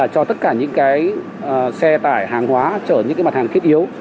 cho tất cả những xe tải hàng hóa chở những mặt hàng thiết yếu